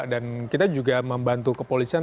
dan kita juga membantu kepolisian